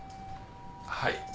はい。